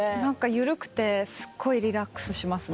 緩くてすっごいリラックスしますね。